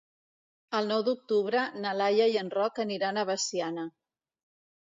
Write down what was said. El nou d'octubre na Laia i en Roc aniran a Veciana.